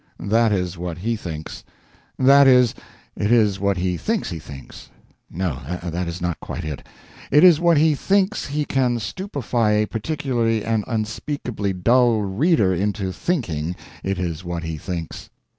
That is what he thinks. That is, it is what he thinks he thinks. No, that is not quite it: it is what he thinks he can stupefy a particularly and unspeakably dull reader into thinking it is what he thinks.